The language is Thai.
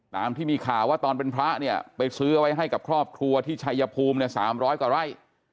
ตามที่มีข่าวว่าตอนเป็นพระเนี่ยไปซื้อเอาไว้ให้กับครอบครัวที่ชัยภูมิเนี่ย๓๐๐กว่าไร่